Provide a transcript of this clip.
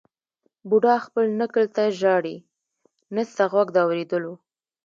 بوډا خپل نکل ته ژاړي نسته غوږ د اورېدلو